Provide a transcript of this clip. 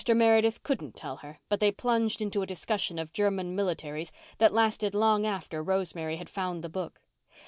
Meredith couldn't tell her, but they plunged into a discussion of German militarism that lasted long after Rosemary had found the book.